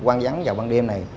quang vắng vào ban đêm này